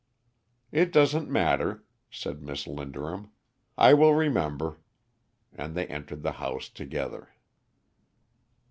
"It doesn't matter," said Miss Linderham; "I will remember," and they entered the house together.